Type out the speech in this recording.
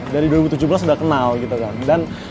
dari dua ribu tujuh belas sudah kenal gitu kan